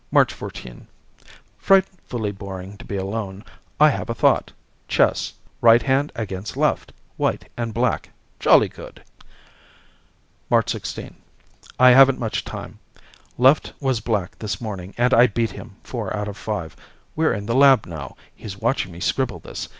March 14 Frightfully boring to be alone. I have a thought. Chess. Right hand against left. White and black. Jolly good. March 16 I haven't much time. Left was black this morning and I beat him, four out of five. We're in the lab now. He's watching me scribble this.